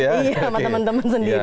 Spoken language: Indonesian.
iya sama teman teman sendiri